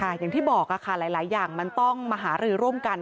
อย่างที่บอกค่ะหลายอย่างมันต้องมาหารือร่วมกัน